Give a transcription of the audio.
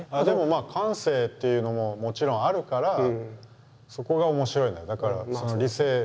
でも感性っていうのももちろんあるからそこが面白いんだよ。